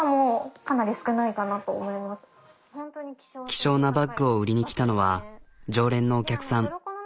希少なバッグを売りに来たのは常連のお客さん。